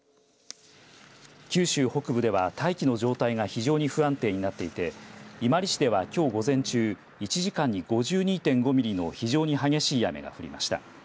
九州北部では、大気の状態が非常に不安定になっていて伊万里市では、きょう午前中１時間に５２．５ミリの非常に激しい雨が降りました。